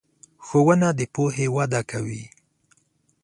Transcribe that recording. ښوونه د پوهې وده کوي.